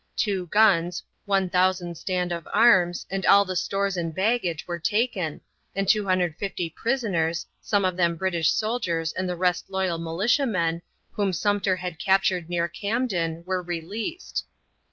Two guns, one thousand stand of arms, and all the stores and baggage were taken, and 250 prisoners, some of them British soldiers and the rest loyal militiamen, whom Sumpter had captured near Camden, were released.